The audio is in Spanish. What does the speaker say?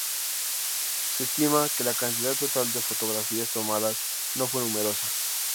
Se estima que la cantidad total de fotografías tomadas no fue numerosa.